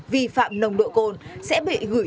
vi phạm nồng độ cồn sẽ bị gửi